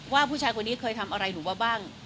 ว่าผู้ชายคนนี้เคยทำอะไรหนูมาบ้าง